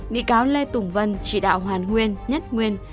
bị cáo lê tùng vân chỉ đạo hoàn nguyên nhất nguyên